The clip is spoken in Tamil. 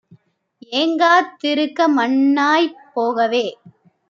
ஏங்கா திருக்க மண்ணாய்ப் போகவே!